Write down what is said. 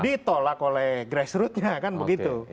ditolak oleh grassrootnya kan begitu